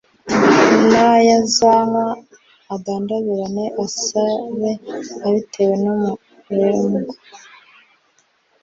na yo azanywa adandabirane asare abitewe n’umurengwe